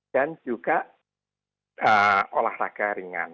dan juga olahraga ringan